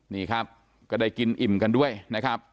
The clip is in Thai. นี่ครับก็ได้กินอิ่มกันด้วยนะครับ